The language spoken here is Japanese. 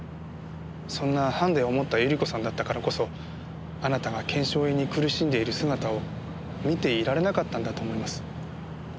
そんなハンデを持った百合子さんだったからこそあなたが腱鞘炎に苦しんでいる姿を見ていられなかったんだと思います。